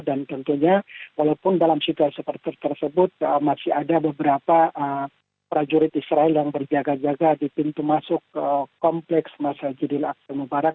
dan tentunya walaupun dalam situasi tersebut masih ada beberapa prajurit israel yang berjaga jaga di pintu masuk kompleks masjid al aqsa al mubarak